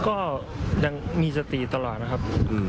ก็ยังมีสติตลอดนะครับ